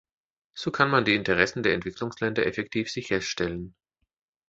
So kann man die Interessen der Entwicklungsländer effektiv sicherstellen.